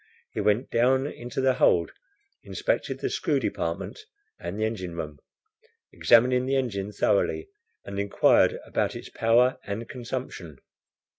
He went down into the hold, inspected the screw department and the engine room, examining the engine thoroughly, and inquired about its power and consumption.